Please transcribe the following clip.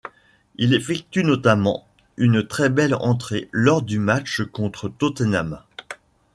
Il effectue notamment une très belle entrée lors du match contre Tottenham.